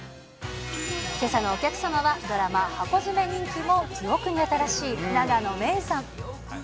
けさのお客様は、ドラマ、ハコヅメも記憶に新しい永野芽郁さん。